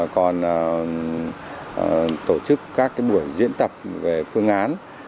còn tổ chức các buổi diễn tập về phương án